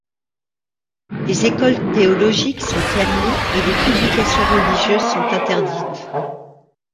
Les écoles théologiques sont fermées et les publications religieuses interdites.